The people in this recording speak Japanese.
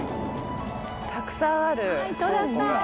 たくさんある。